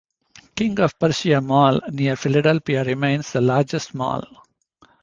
King of Prussia Mall near Philadelphia remains the largest mall.